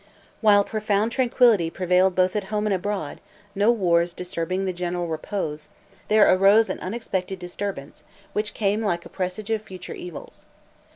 While profound tranquillity prevailed both at home and abroad, no wars disturbing the general repose, there arose an unexpected disturbance, which came like a presage of future evils.